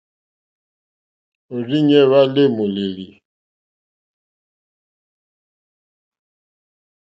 Òrzìɲɛ́ hwá lê môlélí.